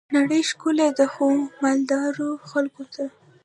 نړۍ ښکلي ده خو، مالدارو خلګو ته.